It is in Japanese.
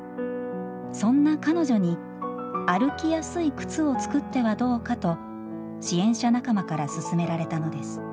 そんな彼女に歩きやすい靴を作ってはどうかと支援者仲間から勧められたのです。